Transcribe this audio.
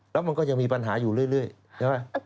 แล้วมันก็ยังมีปัญหาอยู่เรื่อยใช่ไหม